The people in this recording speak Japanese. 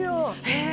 え